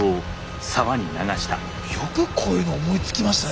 よくこういうの思いつきましたね